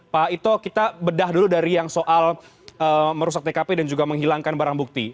pak ito kita bedah dulu dari yang soal merusak tkp dan juga menghilangkan barang bukti